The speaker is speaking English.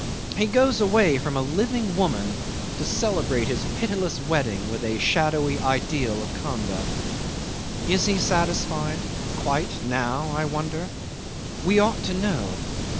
He goes away from a living woman to celebrate his pitiless wedding with a shadowy ideal of conduct. Is he satisfied quite, now, I wonder? We ought to know.